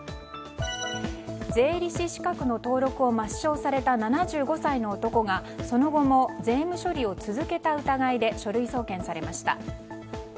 税理士資格の登録を抹消された７５歳の男がその後も税務処理を続けた疑いで書類送検されました。